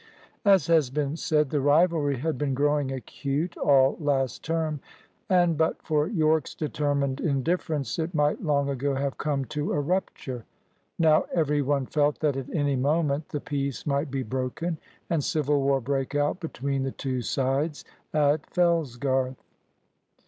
As has been said, the rivalry had been growing acute all last term, and but for Yorke's determined indifference, it might long ago have come to a rupture. Now, every one felt that at any moment the peace might be broken, and civil war break out between the two sides at Fellsgarth.